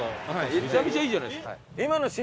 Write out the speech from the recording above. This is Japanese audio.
めちゃくちゃいいじゃないですか。